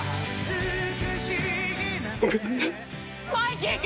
「マイキー君！」